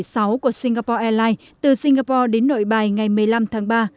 sq một trăm bảy mươi sáu của singapore airlines từ singapore đến nội bài ngày một mươi năm tháng ba